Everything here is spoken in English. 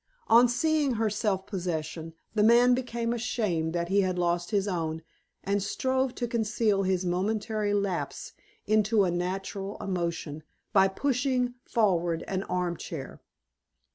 On seeing her self possession, the man became ashamed that he had lost his own, and strove to conceal his momentary lapse into a natural emotion, by pushing forward an arm chair.